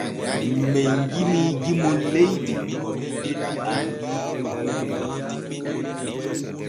Men jimii jimol leydi ko men jetti ɗiɗo ardiiɓe.